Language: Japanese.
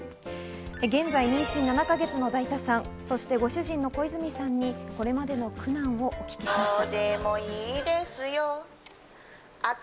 現在、妊娠７か月のだいたさん、そしてご主人の小泉さんにこれまでの苦難をお聞きしました。